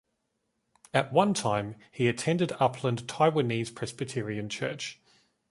At one time, he attended Upland Taiwanese Presbyterian Church.